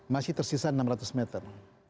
masih tersisa enam ratus meter